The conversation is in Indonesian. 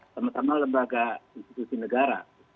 sama sama lembaga institusi negara